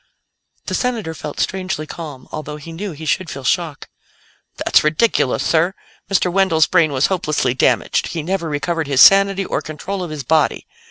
The Senator felt strangely calm, although he knew he should feel shock. "That's ridiculous, sir! Mr. Wendell's brain was hopelessly damaged; he never recovered his sanity or control of his body.